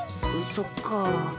そっか。